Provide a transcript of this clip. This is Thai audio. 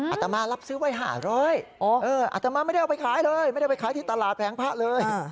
อาตมารับซื้อไว้๕๐๐อัตมาไม่ได้เอาไปขายเลยไม่ได้ไปขายที่ตลาดแผงพระเลย